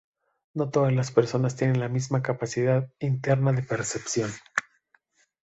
No todas las personas tienen la misma capacidad interna de percepción.